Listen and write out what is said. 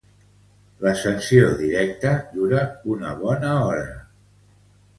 L'ascensió directa dura una bona hora.